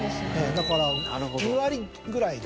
だから２割ぐらいが。